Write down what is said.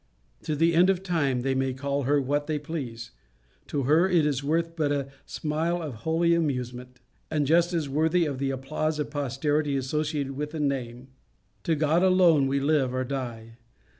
To the end of time they may call her what they please: to her it is worth but a smile of holy amusement. And just as worthy is the applause of posterity associated with a name. To God alone we live or die.